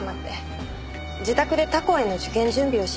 自宅で他校への受験準備をしますと。